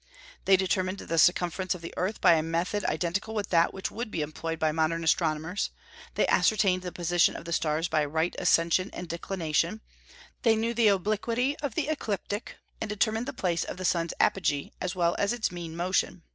They determined the circumference of the earth by a method identical with that which would be employed by modern astronomers; they ascertained the position of the stars by right ascension and declination; they knew the obliquity of the ecliptic, and determined the place of the sun's apogee as well as its mean motion.